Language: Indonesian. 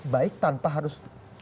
baik tanpa harus